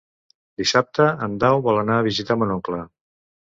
Dissabte en Dan vol anar a visitar mon oncle.